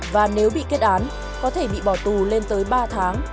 và nếu bị kết án có thể bị bỏ tù lên tới ba tháng